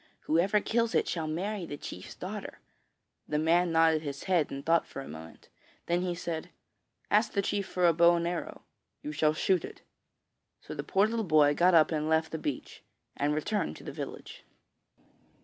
Whoever kills it shall marry the chief's daughter.' The man nodded his head and thought for a moment; then he said: 'Ask the chief for a bow and arrow: you shall shoot it.' So the poor little boy got up and left the beach, and returned to the village.